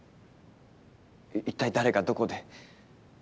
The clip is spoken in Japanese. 一体誰がどこで？